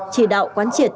chỉ đạo quán triệt